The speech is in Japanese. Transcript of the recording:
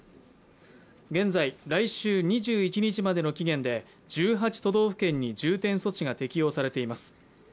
現在、来週２１日までの期限で１８都道府県に重点措置が適用されています